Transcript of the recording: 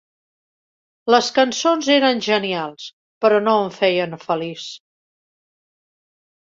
Les cançons eren genials, però no em feien feliç.